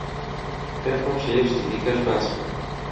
پێم خۆشە یەک شتی دیکەش باس بکەم.